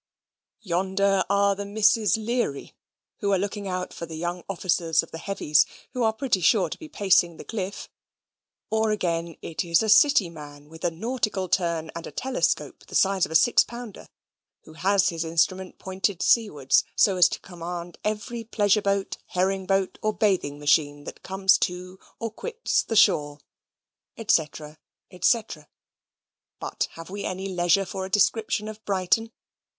Yonder are the Misses Leery, who are looking out for the young officers of the Heavies, who are pretty sure to be pacing the cliff; or again it is a City man, with a nautical turn, and a telescope, the size of a six pounder, who has his instrument pointed seawards, so as to command every pleasure boat, herring boat, or bathing machine that comes to, or quits, the shore, &c., &c. But have we any leisure for a description of Brighton?